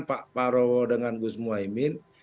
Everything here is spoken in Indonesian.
pak prabowo dengan gus muhaymin